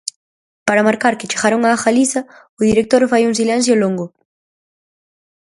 Para marcar que chegaron a Galiza, o director fai un silencio longo.